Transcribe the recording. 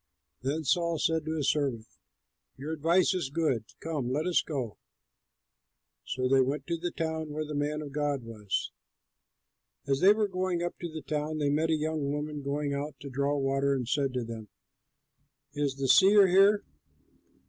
Then Saul said to his servant, "Your advice is good; come, let us go." So they went to the town where the man of God was. As they were going up to the town, they met young women going out to draw water and said to them, "Is the seer here?"